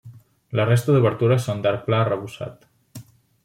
La resta d'obertures són d'arc pla arrebossat.